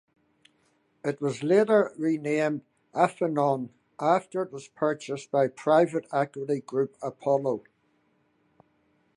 It was later renamed Affinion after it was purchased by private equity group Apollo.